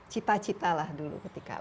cita citalah dulu ketika